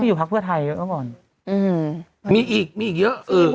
อยู่พักเพื่อไทยเยอะเมื่อก่อนอืมมีอีกมีอีกเยอะเออ